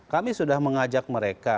kami sudah mengajak mereka